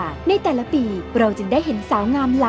สนุนโดยสถาบันความงามโย